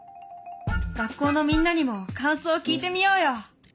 学校のみんなにも感想を聞いてみようよ。